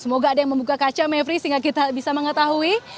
semoga ada yang membuka kaca mevri sehingga kita bisa mengetahui